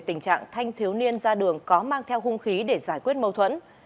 tình trạng thanh thiếu niên ra đường có mang theo hung khí để giải quyết mâu thuẫn